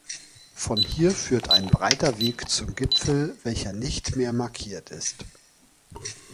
Von hier führt ein breiter Weg zum Gipfel, welcher nicht mehr markiert ist.